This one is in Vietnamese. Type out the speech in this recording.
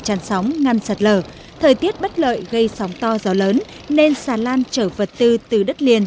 tràn sóng ngăn sạt lở thời tiết bất lợi gây sóng to gió lớn nên xà lan chở vật tư từ đất liền